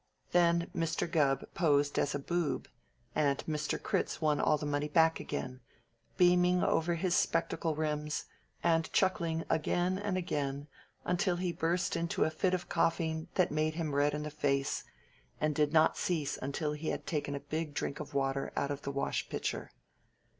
Then Mr. Gubb posed as a "boob" and Mr. Critz won all the money back again, beaming over his spectacle rims, and chuckling again and again until he burst into a fit of coughing that made him red in the face, and did not cease until he had taken a big drink of water out of the wash pitcher.